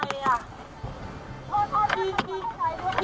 พี่เขาเป็นอะไรอ่ะ